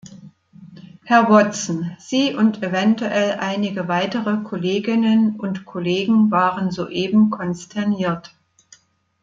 Herr Watson, Sie und eventuell einige weitere Kolleginnen und Kollegen waren soeben konsterniert.